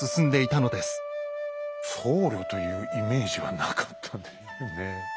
僧侶というイメージはなかったんで。